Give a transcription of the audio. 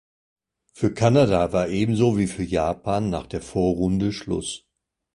Für Kanada war ebenso wie für Japan nach der Vorrunde Schluss.